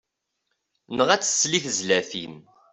Neɣ ad tsel i tezlatin.